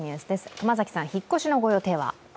熊崎さん、引っ越しのご予定は？